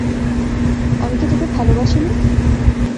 আমি কি তোকে ভালোবাসিনি?